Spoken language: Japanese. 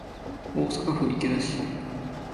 大阪府池田市